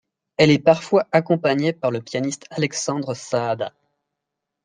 Elle est parfois accompagnée par le pianiste Alexandre Saada.